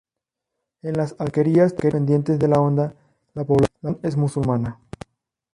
En las alquerías dependientes de la Onda la población es musulmana.